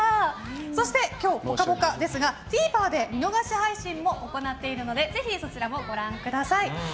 そして、今日「ぽかぽか」ですがＴＶｅｒで見逃し配信も行っているのでぜひそちらもご覧ください。